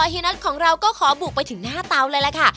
เฮ็อตของเราก็ขอบุกไปถึงหน้าเตาเลยล่ะค่ะ